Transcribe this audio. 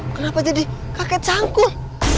kenapa jadi kakek canggul